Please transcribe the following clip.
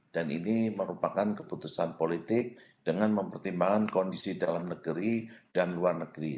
dan ini merupakan keputusan politik dengan mempertimbangkan kondisi dalam negeri dan luar negeri